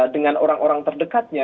dengan orang orang terdekatnya